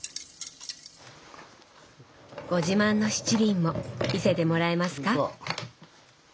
ご自慢の七輪も見せてもらえますか？